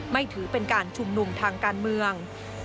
ถือเป็นการชุมนุมทางการเมือง